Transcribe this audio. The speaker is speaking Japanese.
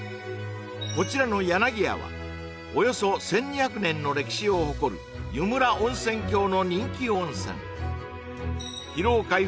こちらの柳屋はおよそ１２００年の歴史を誇る湯村温泉郷の人気温泉